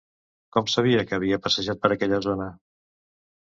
Com sabia que havia passejat per aquella zona?